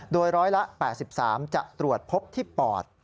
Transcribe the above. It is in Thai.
โดยร้อยละ๘๓จะตรวจพบที่ปอด